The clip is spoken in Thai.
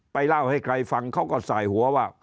เล่าให้ใครฟังเขาก็สายหัวว่า